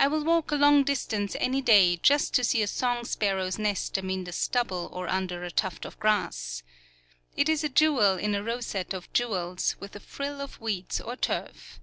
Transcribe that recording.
I will walk a long distance any day just to see a song sparrow's nest amid the stubble or under a tuft of grass. It is a jewel in a rosette of jewels, with a frill of weeds or turf.